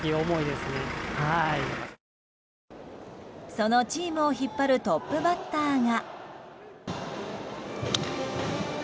そのチームを引っ張るトップバッターが。